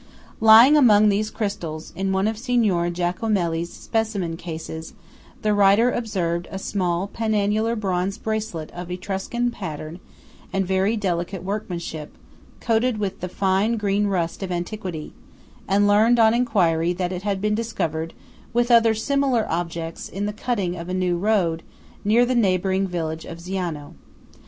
Lying among these crystals, in one of Signor Giacomelli's specimen cases, the writer observed a small penannular bronze bracelet of Etruscan pattern and very delicate workmanship, coated with the fine green rust of antiquity; and learned on enquiry that it had been discovered with other similar objects in the cutting of a new road near the neighbouring village of Ziano.